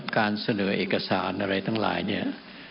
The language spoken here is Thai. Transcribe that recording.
การเสนอเอกสารอะไรทั้งหลายเนี่ย